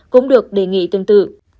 cũng được đề nghị tương tự